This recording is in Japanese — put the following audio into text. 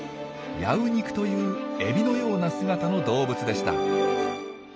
ヤウニクというエビのような姿の動物でした。